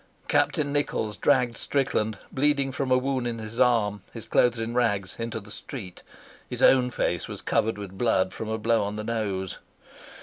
Captain Nichols dragged Strickland, bleeding from a wound in his arm, his clothes in rags, into the street. His own face was covered with blood from a blow on the nose.